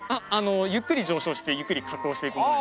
ゆっくり上昇してゆっくり下降していく。